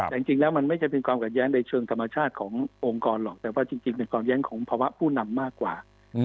แต่จริงแล้วมันไม่ใช่เป็นความขัดแย้งในเชิงธรรมชาติขององค์กรหรอกแต่ว่าจริงเป็นความแย้งของภาวะผู้นำมากกว่า